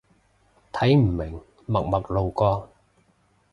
睇唔明，默默路過